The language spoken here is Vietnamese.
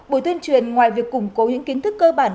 buổi tuyên truyền ngoài việc củng cố những kiến thức cơ bản